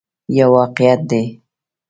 یو واقعیت دی.